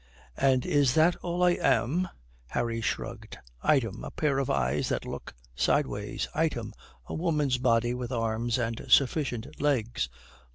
"And is that all I am?" Harry shrugged. "Item a pair of eyes that look sideways; item a woman's body with arms and sufficient legs."